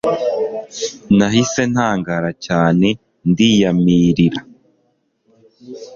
Nahise ntangara cyane ndiyamirira